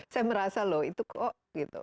saya merasa loh itu kok gitu